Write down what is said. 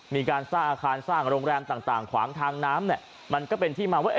มีการสร้างอาคารสร้างโรงแรมต่างขวางทางน้ำเนี่ยมันก็เป็นที่มาว่า